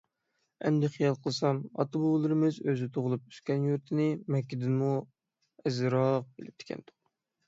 ئەمدى خىيال قىلسام، ئاتا-بوۋىلىرىمىز ئۆزى تۇغۇلۇپ ئۆسكەن يۇرتىنى مەككىدىنمۇ ئەزىزراق بىلىپتىكەندۇق.